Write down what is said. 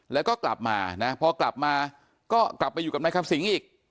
แล้วก็กลับมานะพอกลับมาก็กลับไปอยู่กับนายคำสิงอีก